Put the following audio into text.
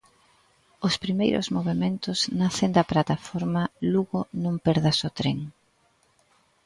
Os primeiros movementos nacen da plataforma Lugo non perdas o tren.